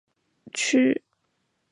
去洗温泉